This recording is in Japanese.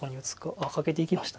あっカケていきました。